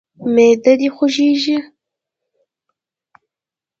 معده د خوږیږي؟